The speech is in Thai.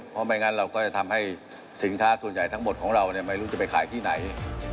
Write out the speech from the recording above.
เพราะไม่งั้นเราก็จะทำให้สินค้าส่วนใหญ่ทั้งหมดของเราไม่รู้จะไปขายที่ไหน